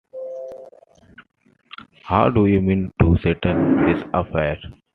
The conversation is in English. How do you mean to settle this affair?